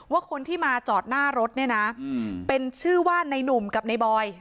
ว่าคนที่มาจอดหน้ารถเนี่ยนะเป็นชื่อว่าในนุ่มกับในบอย